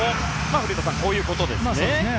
古田さん、こういうことですね。